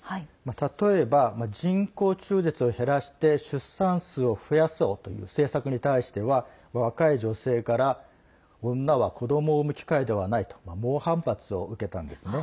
例えば人工中絶を減らして出産数を減らそうという政策に対しては若い女性から女は子どもを産む機械ではないと猛反発を受けたんですね。